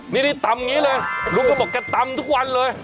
นี่นี่ตำนี้เลยลุงเขาบอกแกตำทุกวันเลย